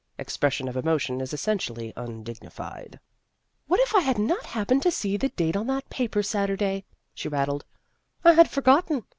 (Expression of emotion is essentially un dignified.) " What if I had not happened to see the date on that paper Saturday ?" she rattled. " I had forgotten.